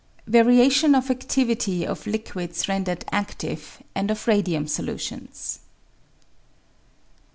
Variation of Activity of Liquids rendered Active and of Radium Solutions.